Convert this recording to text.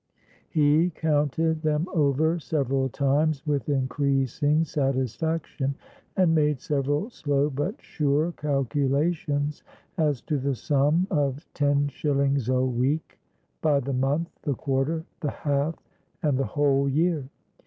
He counted them over several times with increasing satisfaction, and made several slow but sure calculations as to the sum of ten shillings a week by the month, the quarter, the half, and the whole year.